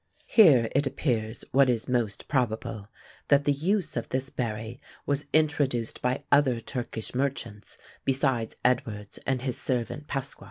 Here it appears, what is most probable, that the use of this berry was introduced by other Turkish merchants, besides Edwards and his servant Pasqua.